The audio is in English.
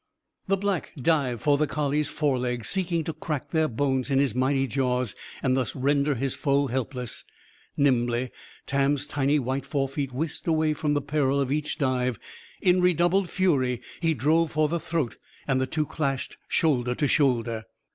The Black dived for the collie's forelegs, seeking to crack their bones in his mighty jaws and thus render his foe helpless. Nimbly, Tam's tiny white forefeet whisked away from the peril of each dive. In redoubled fury he drove for the throat. And the two clashed, shoulder to shoulder.